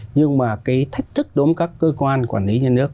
nhưng mà cái thách thức đối với các cơ quan quản lý nhà nước